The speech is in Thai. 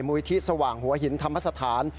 ยธิสว่างหัวหินธรรมสถาน